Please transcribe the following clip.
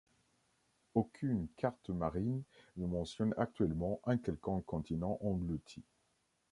Aucune carte marine ne mentionne actuellement un quelconque continent englouti.